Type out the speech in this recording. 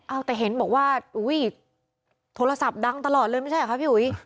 อ้าวแต่เห็นบอกว่าโทรศัพท์ดังตลอดเลยไม่ใช่หรอครับพี่หุย